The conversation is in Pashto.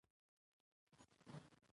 جواهرات د افغانستان د جغرافیې بېلګه ده.